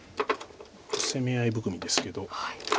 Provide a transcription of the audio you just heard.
攻め合い含みですけど。